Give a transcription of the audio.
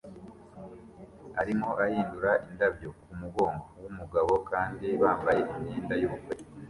arimo ahindura indabyo kumugongo wumugabo kandi bambaye imyenda yubukwe